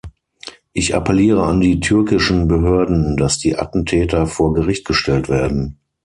Ich appelliere an die türkischen Behörden, dass die Attentäter vor Gericht gestellt werden.